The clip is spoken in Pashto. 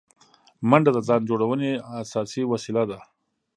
منډه د ځان جوړونې اساسي وسیله ده